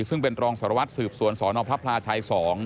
ซึ่งเป็นรองสารวัตรสืบสวนสนพระพลาชัย๒